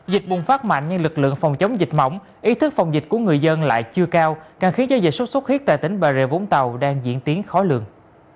dịch bùng phát mạnh nhưng lực lượng phòng chống dịch mỏng ý thức phòng dịch của người dân lại chưa cao càng khiến giao dịch sốt xuất huyết tại tỉnh bà rịa vũng tàu đang diễn tiến khó lường